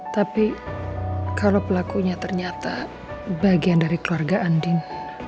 tapi kalau pelakunya ternyata bagian dari keluarga andin